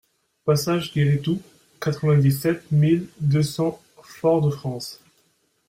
Passage Guéri Tout, quatre-vingt-dix-sept mille deux cents Fort-de-France